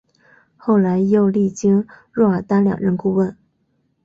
后来又历经若尔丹两任顾问。